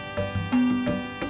tidak ada yang bisa diberikan